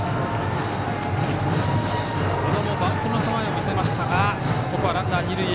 小野もバントの構えを見せましたがここはランナーが二塁へ。